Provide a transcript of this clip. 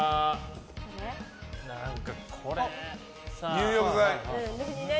入浴剤？